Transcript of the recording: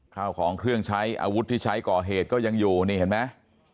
ข้าวของเครื่องใช้อาวุธที่ใช้ก่อเหตุก็ยังอยู่นี่เห็นไหม